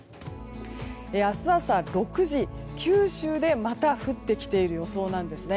明日朝６時、九州でまた降ってきている予想なんです。